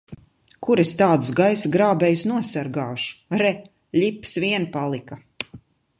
Kur es tādus gaisa grābējus nosargāšu! Re, ļipas vien palika!